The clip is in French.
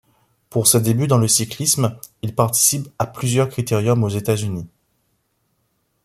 Pour ses débuts dans le cyclisme, il participe à plusieurs critériums aux États-Unis.